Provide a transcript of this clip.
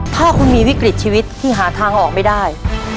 ถ้าคุณมีวิกฤตชีวิตที่หาทางออกไม่ได้